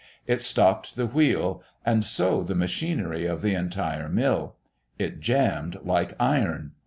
It stopped the wheel, and so the machinery of the entire mill. It jammed like iron.